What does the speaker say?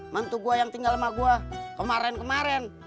mantu gue yang tinggal sama gue kemarin kemarin